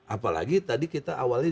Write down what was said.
apalagi tadi kita awalnya